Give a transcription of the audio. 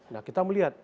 nah kita melihat